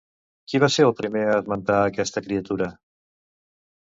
Qui va ser el primer a esmentar aquesta criatura?